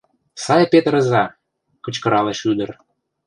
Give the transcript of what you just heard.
— Сай петырыза! — кычкыралеш ӱдыр.